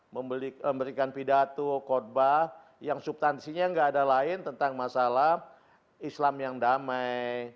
memberikan pidato khutbah yang subtansinya nggak ada lain tentang masalah islam yang damai